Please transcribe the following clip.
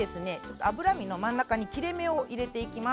脂身の真ん中に切れ目を入れていきます。